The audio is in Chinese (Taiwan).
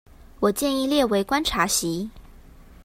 我建議列為觀察席